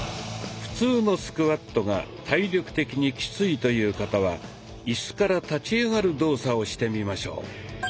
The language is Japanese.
普通のスクワットが体力的にキツイという方はイスから立ち上がる動作をしてみましょう。